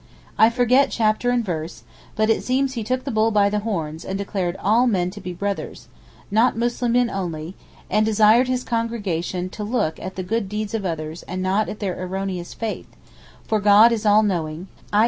I forget chapter and verse; but it seems he took the bull by the horns and declared all men to be brothers, not Muslimeen only, and desired his congregation to look at the good deeds of others and not at their erroneous faith, for God is all knowing (_i.